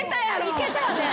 いけたよね？